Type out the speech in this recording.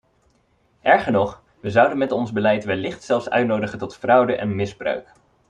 Erger nog, we zouden met ons beleid wellicht zelfs uitnodigen tot fraude en misbruik.